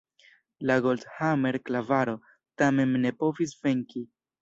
La Goldhammer-klavaro tamen ne povis venki.